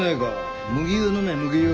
麦湯飲め麦湯。